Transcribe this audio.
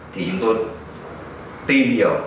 thì chúng tôi tìm hiểu